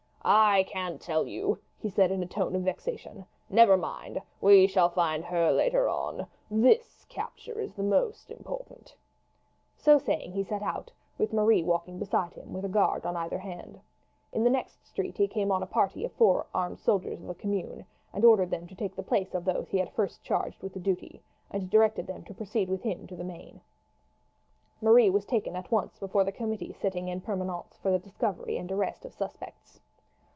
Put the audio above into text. "I can't tell you," he said in a tone of vexation. "Never mind; we shall find her later on. This capture is the most important." So saying he set out, with Marie walking beside him, with a guard on either hand. In the next street he came on a party of four of the armed soldiers of the Commune, and ordered them to take the place of those he had first charged with the duty, and directed them to proceed with him to the Maine. Marie was taken at once before the committee sitting en permanence for the discovery and arrest of suspects.